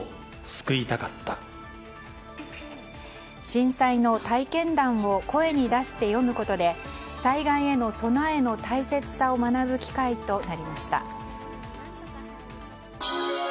震災の体験談を声に出して読むことで災害への備えの大切さを学ぶ機会となりました。